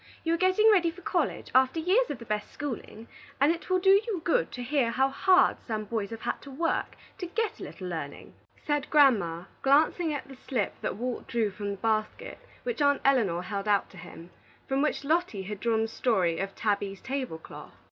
You are getting ready for college, after years of the best schooling, and it will do you good to hear how hard some boys have had to work to get a little learning," said Grandma, glancing at the slip that Walt drew from the basket which Aunt Elinor held out to him, and from which Lotty had drawn the story of "Tabby's Table Cloth."